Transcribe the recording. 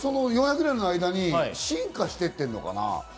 ４００年の間に進化してってるのかな？